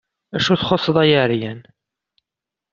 Acu i txuṣṣeḍ ay aɛeyan?